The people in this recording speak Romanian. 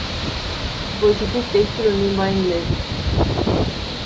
Voi citi textul în limba engleză.